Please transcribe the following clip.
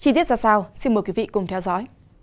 chí tiết ra sau xin mời quý vị cùng theo dõi